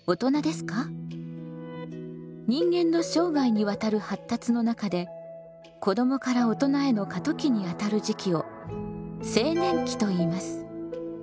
人間の生涯にわたる発達の中で子どもから大人への過渡期にあたる時期を青年期といいます。